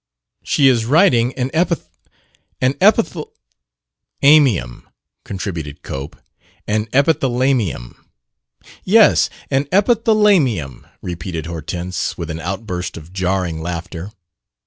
She is writing an epitha an epithal "" amium," contributed Cope. "An epithala mium." "Yes, an epithala mium!" repeated Hortense, with an outburst of jarring laughter.